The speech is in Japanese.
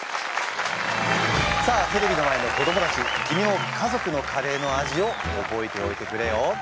さあテレビの前の子どもたち君も家族のカレーの味を覚えておいてくれよ。